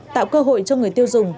tạo cơ hội cho người tiêu dùng